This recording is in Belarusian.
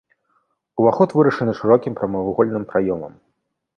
Уваход вырашаны шырокім прамавугольным праёмам.